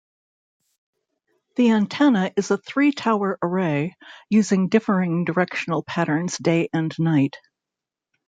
The antenna is a three-tower array, using differing directional patterns day and night.